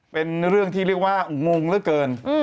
เป็นเรื่องที่เรียกว่างงเหลือเกิน